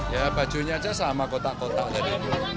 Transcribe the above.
ya bajunya aja sama kotak kotak jadi